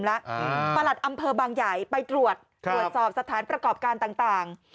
ประหลัดอำเภอบางใหญ่ไปตรวจตรวจสอบสถานประกอบการต่าง